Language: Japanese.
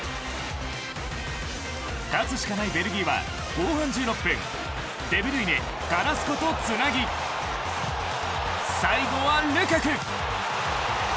勝つしかないベルギーは後半１６分デブルイネ、カラスコとつなぎ最後はルカク。